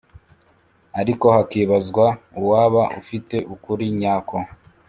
ariko hakibazwa uwaba ufite ukuri nyako